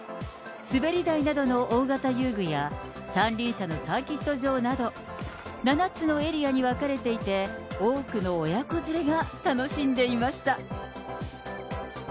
滑り台などの大型遊具や、三輪車のサーキット場など、７つのエリアに分かれていて、多くの親子連れが楽しんでいました。